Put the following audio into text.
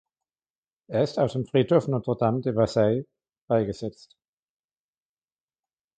Er ist auf dem Friedhof Notre-Dame de Versailles beigesetzt.